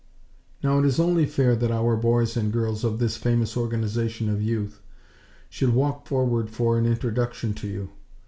Now it is only fair that our boys and girls of this famous Organization of Youth, should walk forward for an introduction to you.